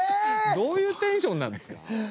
どういうテンションなんですか。